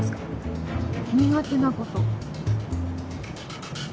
苦手なこと？